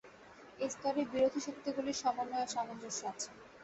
এই স্তরেই বিরোধী শক্তিগুলির সমন্বয় ও সামঞ্জস্য আছে।